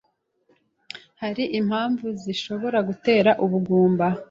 hari impamvu zishobora gutera ubugumba